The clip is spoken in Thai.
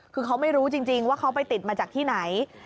คือเขาไม่รู้จริงว่าเขาไปติดมาจากที่ไหน